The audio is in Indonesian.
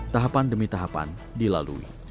tahapan demi tahapan dilalui